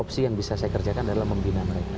saya bisa saya kerjakan dalam membina mereka